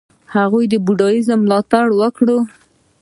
هغه د بودیزم ملاتړ وکړ.